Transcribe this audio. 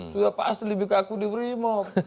sudah pasti lebih kaku di brimob